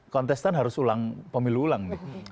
kontestan harus pemilu ulang